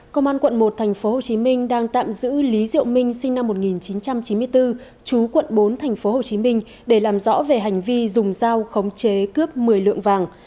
công an quận một tp hcm đang tạm giữ lý diệu minh sinh năm một nghìn chín trăm chín mươi bốn chú quận bốn tp hcm để làm rõ về hành vi dùng dao khống chế cướp một mươi lượng vàng